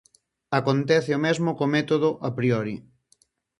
Acontece o mesmo co método a priori.